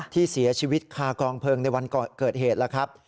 ที่เสียชีวิตคากองเพลิงในวันเกิดเหตุแล้วครับ